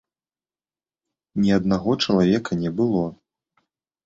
Ні аднаго чалавека не было.